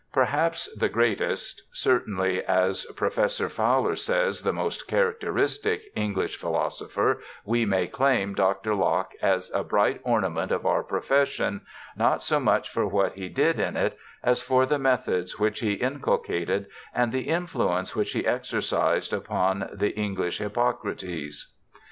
Perhaps the greatest, certainly, as Professor Fowler says, the most characteristic, English philosopher, we may claim Dr. Locke as a bright ornament of our profession, not so JOHN LOCKE 107 much for what he did in it, as for the methods which he inculcated and the influence which he exercised upon the EngHsh Hippocrates.